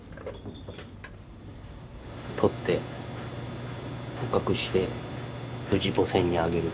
獲って捕獲して無事母船にあげる。